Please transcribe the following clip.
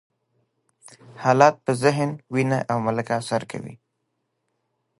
حالات په ذهن، وینه او ملکه اثر کوي.